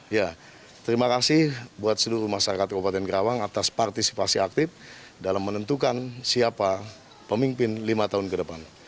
ya terima kasih buat seluruh masyarakat kabupaten karawang atas partisipasi aktif dalam menentukan siapa pemimpin lima tahun ke depan